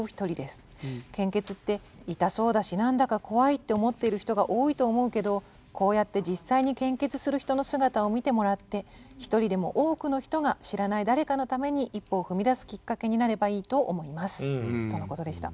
献血って痛そうだしなんだか怖いって思っている人が多いと思うけどこうやって実際に献血する人の姿を見てもらって１人でも多くの人が知らない誰かのために一歩を踏み出すきっかけになればいいと思います」とのことでした。